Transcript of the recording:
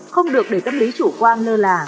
không được để tâm lý chủ quan nơ là